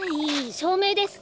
しょうめいです。